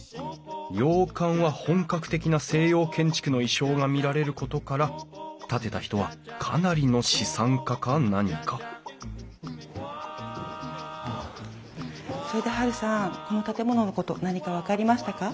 洋館は本格的な西洋建築の意匠が見られることから建てた人はかなりの資産家か何かそれでハルさんこの建物のこと何か分かりましたか？